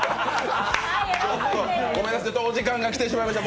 ちょっとごめんなさい、お時間が来てしまいました。